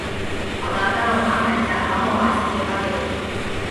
好的，那让我安排一下，然后把细节发给你。